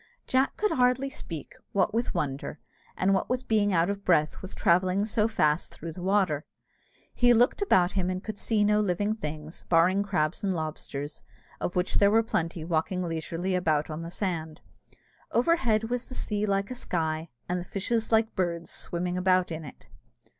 Jack could hardly speak, what with wonder, and what with being out of breath with travelling so fast through the water. He looked about him and could see no living things, barring crabs and lobsters, of which there were plenty walking leisurely about on the sand. Overhead was the sea like a sky, and the fishes like birds swimming about in it.